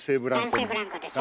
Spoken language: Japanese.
男性ブランコでしょ？